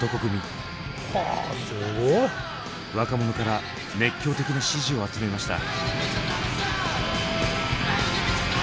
若者から熱狂的な支持を集めました。